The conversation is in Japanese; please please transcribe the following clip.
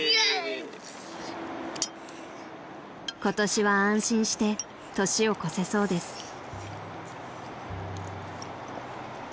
［今年は安心して年を越せそうです］